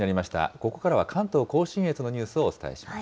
ここからは関東甲信越のニュースをお伝えします。